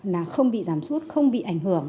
là không bị giảm suốt không bị ảnh hưởng